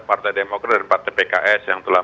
partai demokrat dan partai pks yang telah